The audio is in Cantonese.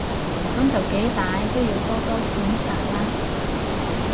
噉就幾歹都要多多檢查啦